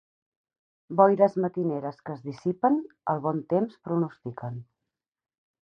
Boires matineres que es dissipen, el bon temps pronostiquen.